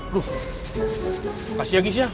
loh kasih ya gies ya